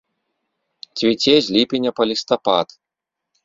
Цвіце з ліпеня па лістапад.